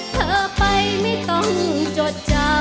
เธอไปไม่ต้องจดจำ